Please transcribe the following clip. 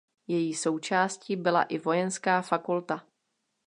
Její součástí byla i "Vojenská fakulta".